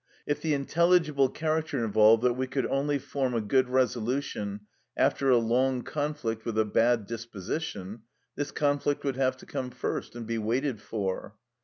If the intelligible character involved that we could only form a good resolution after a long conflict with a bad disposition, this conflict would have to come first and be waited for.